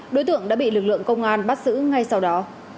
đối tượng đã bị lực lượng công an bắt giữ ngay sau đó